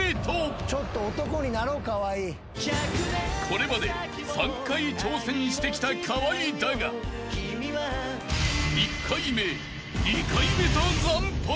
［これまで３回挑戦してきた河合だが１回目２回目と惨敗］